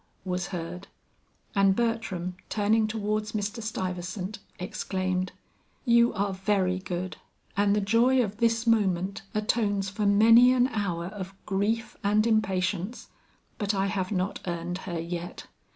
was heard, and Bertram turning towards Mr. Stuyvesant, exclaimed, "You are very good, and the joy of this moment atones for many an hour of grief and impatience; but I have not earned her yet.